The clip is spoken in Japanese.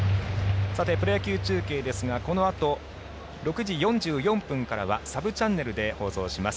プロ野球中継ですがこのあと６時４４分からはサブチャンネルで放送します。